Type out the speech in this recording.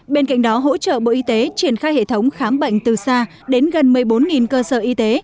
bên cạnh đó hỗ trợ bộ y tế triển khai hệ thống khám bệnh từ xa đến gần một mươi bốn cơ sở y tế